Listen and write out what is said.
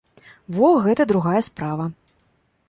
Во гэта другая справа.